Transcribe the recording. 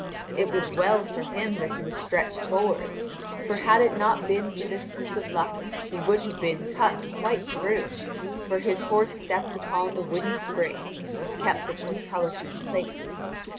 It was well for him that he was stretched forward, for had it not been for this piece of luck he would have been cut quite through; for his horse stepped upon the wooden spring which kept the portcullis in place.